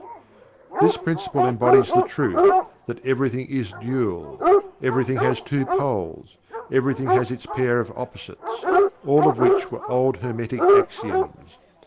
This Principle embodies the truth that "everything is dual"; "everything has two poles"; "everything has its pair of opposites," all of which were old Hermetic axioms.